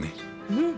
うん。